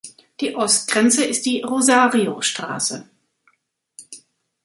Die Ostgrenze ist die Rosario-Straße.